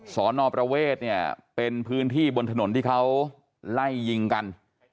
สอนอประเวทเนี่ยเป็นพื้นที่บนถนนที่เขาไล่ยิงกัน